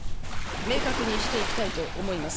明確にしていきたいと思います。